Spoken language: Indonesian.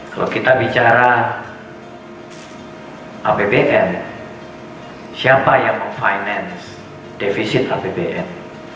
kalau kita bicara abbn siapa yang memfinansi defisit abbn